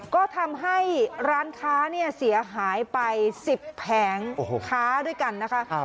ก็ทำให้ร้านค้าเนี่ยเสียหายไป๑๐แผงค้าด้วยกันนะคะ